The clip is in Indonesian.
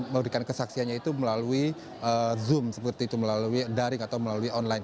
memberikan kesaksiannya itu melalui zoom seperti itu melalui daring atau melalui online